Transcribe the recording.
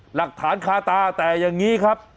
หลักฐานคาตาแต่อย่างนี้ครับ